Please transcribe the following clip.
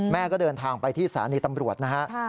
แม่ก็เดินทางไปที่สารีตำรวจนะครับ